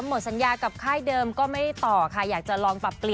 ทุกคนก็เข้าใจ